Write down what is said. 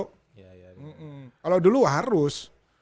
kalau dulu harus